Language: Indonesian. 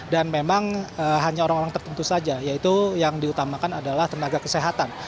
dan memang hanya orang orang tertentu saja yaitu yang diutamakan adalah tenaga kesehatan